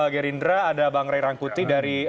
gerindra ada bang ray rangkuti dari